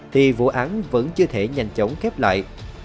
thì vụ án vẫn chưa thể nhanh chóng khép lại